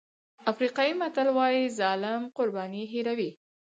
افریقایي متل وایي ظالم قرباني هېروي.